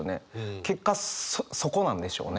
結果そこなんでしょうね。